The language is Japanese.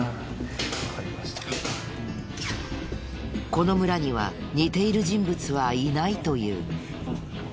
この村には似ている人物はいないという。